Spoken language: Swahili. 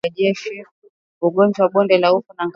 Ugonjwa wa bonde la ufa kwa ngamia